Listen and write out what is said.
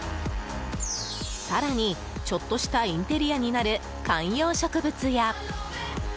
更にちょっとしたインテリアになる観葉植物や。